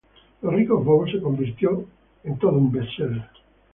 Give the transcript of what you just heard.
Los ricos bobos se convirtió en todo un best seller.